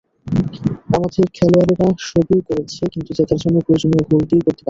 আমাদের খেলোয়াড়েরা সবই করেছে, কিন্তু জেতার জন্য প্রয়োজনীয় গোলটিই করতে পারেনি।